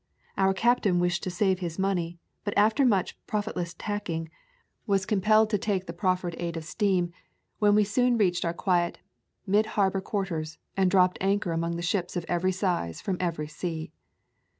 Our cap tain wished to save his money, but after much profitless tacking was compelled to take the [ 147 ] A Thousand Mile Walk proffered aid of steam, when we soon reached our quiet mid harbor quarters and dropped anchor among ships of every size from every sea.